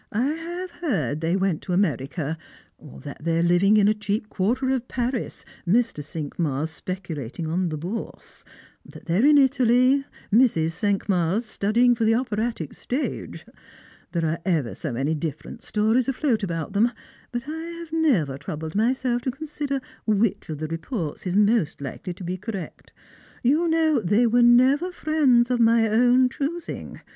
I have heard that they went to America; that they are living in a cheap quarter of Paris, Mr. Cinqmars speculating on the Bourse ; that they are in Italy, Mrs. Cinq mars studying for the operatic stage. There are ever so many difi'erent stories afloat about them, but I have never troubled myself to consider which of the reports is most likely to be cor rect. You know they never were friends of my own choosing.